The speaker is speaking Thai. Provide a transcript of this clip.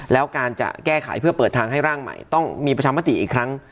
แล้วการจะแก้ไขเพื่อเปิดทางให้ร่างใหม่ต้องมีประชามติอีกครั้ง